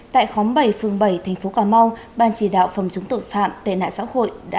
tại khóng bảy phương bảy tp hcm ban chỉ đạo phòng chống tội phạm tệ nạn xã hội